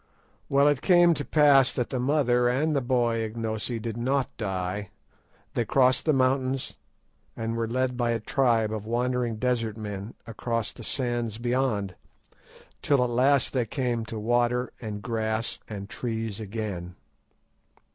"Well, it came to pass that the mother and the boy Ignosi did not die. They crossed the mountains and were led by a tribe of wandering desert men across the sands beyond, till at last they came to water and grass and trees again."